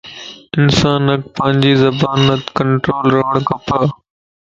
انسان ک پانجي زبان تَ ڪنٽرول ڪرڻ کپ